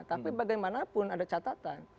tapi bagaimanapun ada catatan